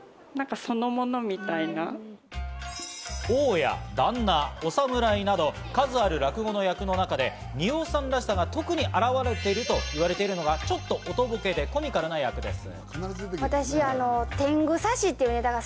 大家、旦那、お侍など、数ある落語の役の中で二葉さんらしさが特に表れていると言われているのがちょっとおとぼけでコミカルな役です。